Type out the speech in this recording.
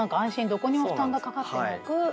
どこにも負担がかかってなく。